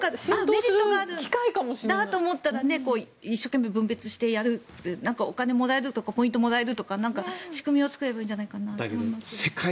メリットがあるんだと思ったら一生懸命分別してやるお金もらえるとかポイントもらえるとか仕組みを作ればいいんじゃないかなと。